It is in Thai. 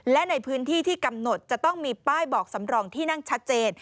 และในพื้นที่ที่กำหนดจะต้องมีป้ายบอกสำรองที่นั่งชัดเจน